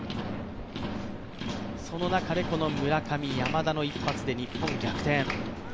その中で村上、山田の一発で日本逆転。